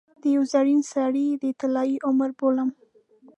د یوه زرین سړي د طلايي عمر بولم.